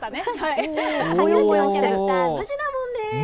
羽生市のキャラクター、ムジナもんです。